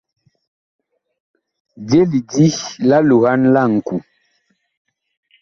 Je lidi la loohan la ŋku.